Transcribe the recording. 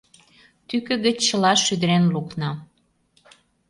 Тӱкӧ гыч чыла шӱдырен лукна.